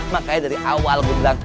makanya dari awal gue bilang